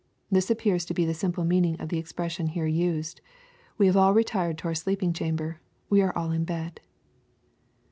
This appears to be the simple meaning of the expression here used :—" We have all retired to our sleeping chamber. We are aU in bed."